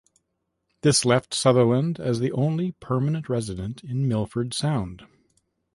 This left Sutherland as the only permanent resident in Milford Sound.